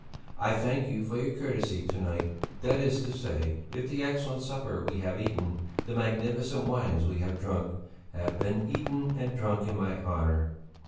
I thank you for your courtesy to night, that is to say, if the excellent supper we have eaten, the magnificent wines we have drunk, have been eaten and drunk in my honour.